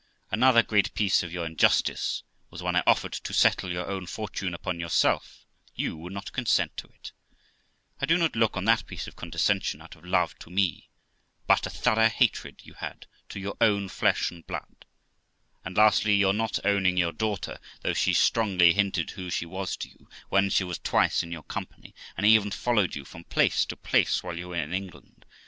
Another great piece of your injustice was when I offered to settle your own fortune upon yourself, you would not consent to it; I do not look on that piece of condescension out of love to me, but a thorough hatred you had to your own flesh and blood; and lastly, your not owning your daughter, though she strongly hinted who she was to you when she was twice in your company, and even followed you from place to place while you were in England.